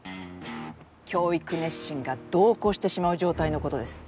教育熱心が度を越してしまう状態のことです。